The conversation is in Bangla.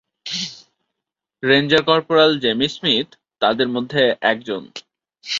রেঞ্জার কর্পোরাল জেমি স্মিথ তাদের মধ্যে একজন।